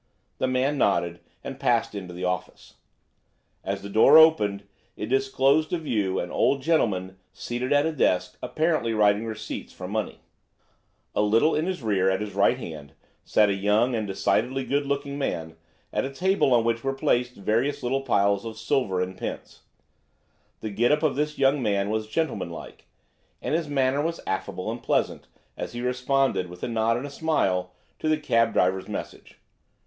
The man nodded and passed into the office. As the door opened, it disclosed to view an old gentleman seated at a desk apparently writing receipts for money. A little in his rear at his right hand, sat a young and decidedly good looking man, at a table on which were placed various little piles of silver and pence. The get up of this young man was gentleman like, and his manner was affable and pleasant as he responded, with a nod and a smile, to the cab driver's message.